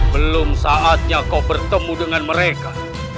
belum saatnya kau bertemu dengan mereka